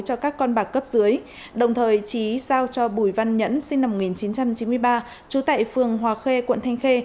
cho các con bạc cấp dưới đồng thời trí giao cho bùi văn nhẫn sinh năm một nghìn chín trăm chín mươi ba trú tại phường hòa khê quận thanh khê